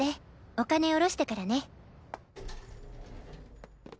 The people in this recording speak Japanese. お金おろしてからね。